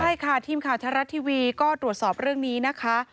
ใช่ค่ะทีมข่าวไทยรัฐทีวีก็ตรวจสอบเรื่องนี้นะคะ